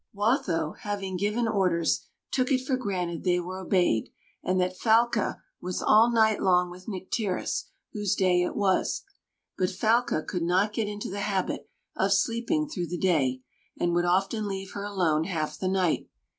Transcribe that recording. Watho having given orders, took it for granted they were obeyed, and that Falca was all night long with Nycteris, whose day it was. But Falca could not get into the habit of sleeping through the day, and would often leave her alone half the night.